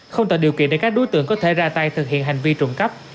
không tạo điều kiện để các đối tượng có thể ra tay thực hiện hành vi trộm cắp